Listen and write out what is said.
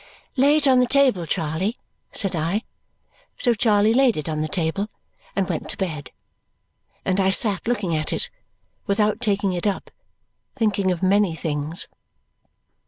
"Lay it on the table, Charley," said I. So Charley laid it on the table and went to bed, and I sat looking at it without taking it up, thinking of many things.